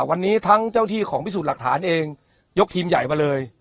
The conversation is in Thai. วันนี้ทั้งเจ้าที่ของพิสูจน์หลักฐานเองยกทีมใหญ่มาเลย